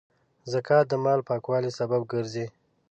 زکات د مال پاکوالي سبب ګرځي.